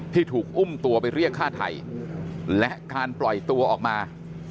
ที่ถูกอุ้มตัวไปเรียกฆ่าไทยและการปล่อยตัวออกมา